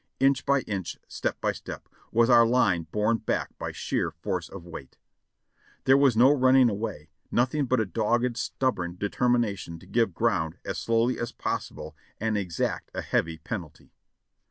Inch by inch, step by step, was our line borne back by sheer force of weight. There was no running away ; nothing but a dogged, stubborn determination to give ground as slowh^ as possible and exact a heavy penalty.